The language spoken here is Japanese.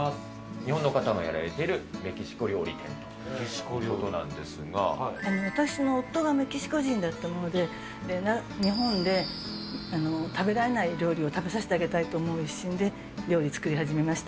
日本の方がやられているメキ私の夫がメキシコ人だったもので、日本で食べられない料理を食べさせてあげたいと思う一心で料理作り始めました。